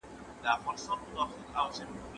لارښود باید په خپله برخه کي پوره معلومات ولري.